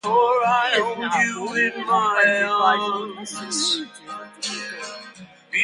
It is now owned and operated by George Weston Limited of Toronto.